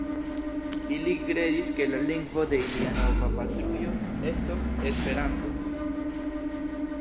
Ili kredis, ke la lingvo de ilia nova patrujo estos Esperanto.